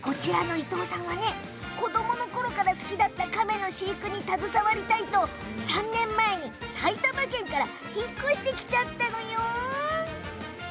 伊藤さんは子どものころから好きだったカメの飼育に携わりたいと３年前に埼玉県から引っ越してきました。